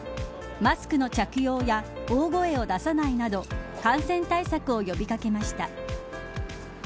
マスクの着用や大声を出さないなど感染対策を呼び掛けました。